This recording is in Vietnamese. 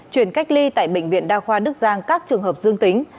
chuyển cách ly tại bệnh viện đa khoa đức giang các trường hợp dương tính